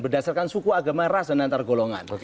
berdasarkan suku agama ras dan antar golongan